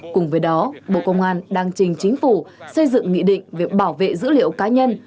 cùng với đó bộ công an đang trình chính phủ xây dựng nghị định về bảo vệ dữ liệu cá nhân